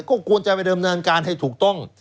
ก็ควรจะไปเดิมเนินการให้ถูกต้อง